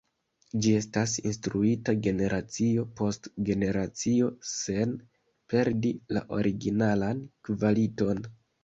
Ĝi estas instruita generacio post generacio sen perdi la originalan kvaliton.